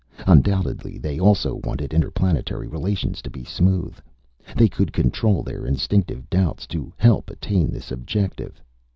Undoubtedly they also wanted interplanetary relations to be smooth. They could control their instinctive doubts to help attain this objective.